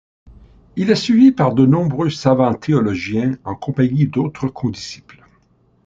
Il est suivi par de nombreux savants théologiens en compagnie d'autres condisciples.